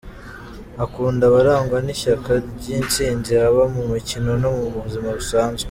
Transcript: Akunda abarangwa n’ishyaka ry’intsinzi haba mu mikino no mu buzima busanzwe.